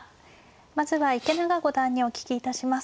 まずは池永五段にお聞きいたします。